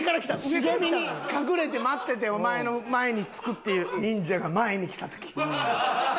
茂みに隠れて待っててお前の前につくっていうニンジャが前に来た時。